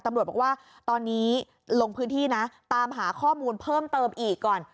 ตำรวจบอกว่าตอนนี้ลงพื้นที่นะตามหาข้อมูลเพิ่มเติมอีกก่อน